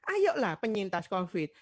ayo lah penyintas covid